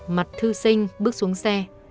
mặt thư sinh bước xuống xe